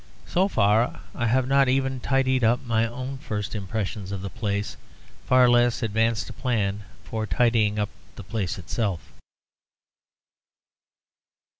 So far I have not even tidied up my own first impressions of the place; far less advanced a plan for tidying up the place itself.